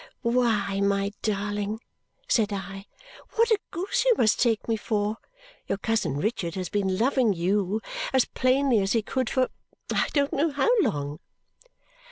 "Why, my darling," said I, "what a goose you must take me for! Your cousin Richard has been loving you as plainly as he could for I don't know how long!"